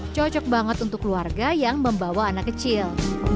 cocok banget untuk keluarga yang membawa anak kecil